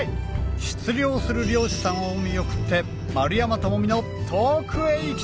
出漁する漁師さんを見送って丸山智己の遠くへ行きたい！